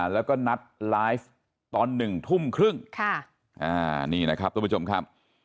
แล้วก็นัดไลฟ์ตอน๑ทุ่มครึ่งนี่นะครับทุกผู้ชมครับ